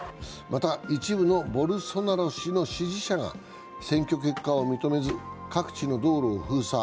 また、一部のボルソナロ氏の支持者が選挙結果を認めず各地の道路を封鎖。